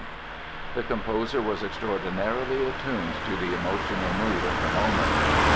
The composer was extraordinarily attuned to the emotional mood of the moment.